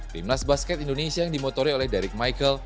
timnas basket indonesia yang dimotori oleh derec michael